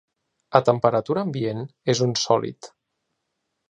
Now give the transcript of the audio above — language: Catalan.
A temperatura ambient és un sòlid.